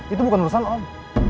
itu bukan urusan om